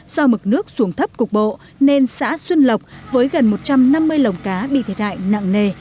do mực nước xuống thấp cục bộ nên xã xuân lộc với gần một trăm năm mươi lồng cá bị thiệt hại nặng nề